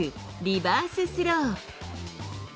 リバーススロー。